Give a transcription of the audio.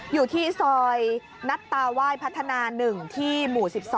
อยู่ที่ซอยนัตตาไหว้พัฒนา๑ที่หมู่๑๒